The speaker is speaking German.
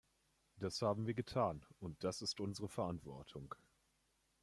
Das haben wir getan, und das ist unsere Verantwortung.